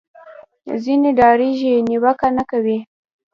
ځینې ډارېږي نیوکه نه کوي